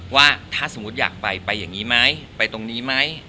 ว่าถ้าสมมุติอยากไปไปอย่างนี้ไหมไปตรงนี้ไหม